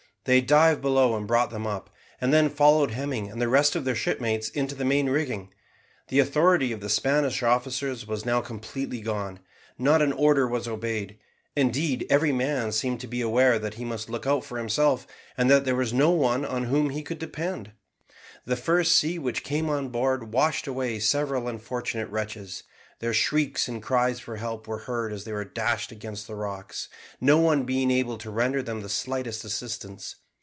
They dived below and brought them up, and then followed Hemming and the rest of their shipmates into the main rigging. The authority of the Spanish officers was now completely gone. Not an order was obeyed; indeed, every man seemed to be aware that he must look out for himself, and that there was no one on whom he could depend. The first sea which came on board washed away several unfortunate wretches; their shrieks and cries for help were heard as they were dashed against the rocks, no one being able to render them the slightest assistance.